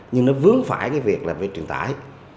nhưng nó vướng phải cái việc là về truyền tài